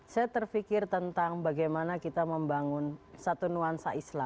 saya terfikir tentang bagaimana kita membangun satu nuansa islam